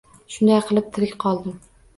Shunday qilib tirik qoldim